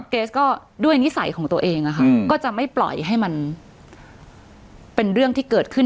เกรสก็ด้วยนิสัยของตัวเองอะค่ะก็จะไม่ปล่อยให้มันเป็นเรื่องที่เกิดขึ้น